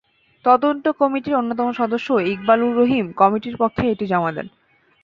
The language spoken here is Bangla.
তদন্ত কমিটির অন্যতম সদস্য ইকবালুর রহিম কমিটির পক্ষে এটি জমা দেন।